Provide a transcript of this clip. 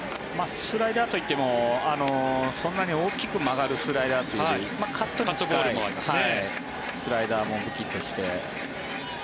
スライダーといってもそんなに大きく曲がるスライダーというよりカットに近いスライダーも武器として。